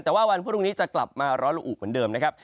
แต่ว่าวันพรุ่งนี้จะกลับมาร้อนละอุเหมือนเดิมนะครับ